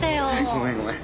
ごめんごめん。